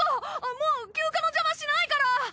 もう休暇の邪魔しないから！